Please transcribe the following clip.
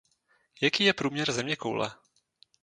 Jaký je průměr zeměkoule?